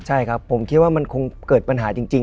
ใช่ครับผมคิดว่ามันคงเกิดปัญหาจริง